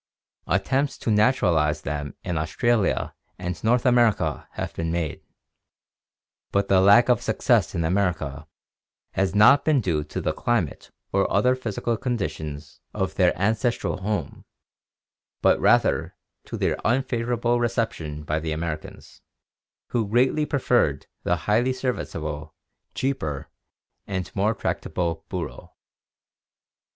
Attempts to naturalize them in Australia and North America have been made, but the lack of success in America has not been due to the climate or other physical conditions of CAMELS 63 x their ancestral home, but rather to their unfavorable reception by the Americans, who greatly preferred the highly serviceable, cheaper, and more tractable burro.